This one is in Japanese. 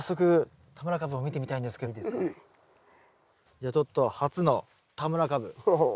じゃあちょっと初の田村かぶ。